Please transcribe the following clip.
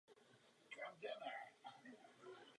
Je absolventem Pedagogické fakulty Univerzity Hradec Králové.